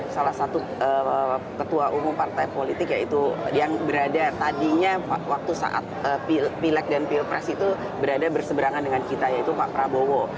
salah satu ketua umum partai politik yaitu yang berada tadinya waktu saat pileg dan pilpres itu berada berseberangan dengan kita yaitu pak prabowo